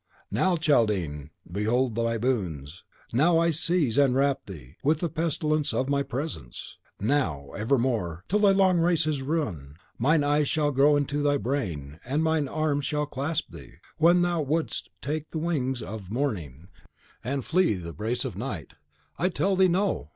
Now, Chaldean, behold my boons! Now I seize and wrap thee with the pestilence of my presence; now, evermore, till thy long race is run, mine eyes shall glow into thy brain, and mine arms shall clasp thee, when thou wouldst take the wings of the Morning and flee from the embrace of Night!" "I tell thee, no!